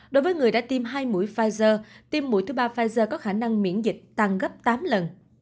đối với người đã tiêm hai mũi pfizer tim mũi thứ ba pfizer có khả năng miễn dịch tăng gấp tám lần